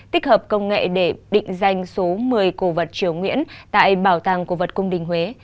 tích hợp công nghệ để định danh số một mươi cổ vật triều nguyễn tại bảo tàng cổ vật cung đình huế